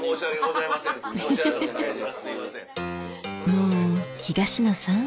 もう東野さん